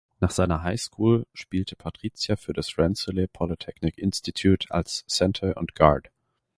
Nach seiner Highschool spielte Patricia für das Rensselaer Polytechnic Institute als Center und Guard.